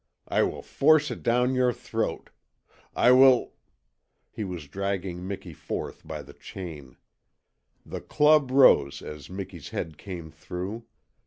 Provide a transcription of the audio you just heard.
I will force it down your throat: I will " He was dragging Miki forth by the chain. The club rose as Miki's head came through.